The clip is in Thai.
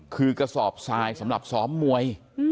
คือกระสอบทรายสำหรับซ้อมมวย